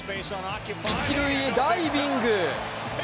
一塁へダイビング。